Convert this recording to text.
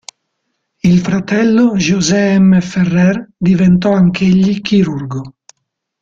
Il fratello José M. Ferrer, diventò anch'egli chirurgo.